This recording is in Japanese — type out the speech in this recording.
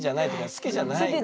好きじゃない。